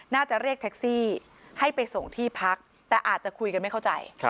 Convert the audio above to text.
เรียกแท็กซี่ให้ไปส่งที่พักแต่อาจจะคุยกันไม่เข้าใจ